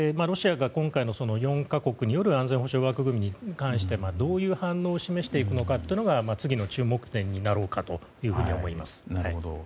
ロシアが今回の４か国による安全保障枠組みに関してどういう反応を示していくかというのが次の注目点になろうかと思います。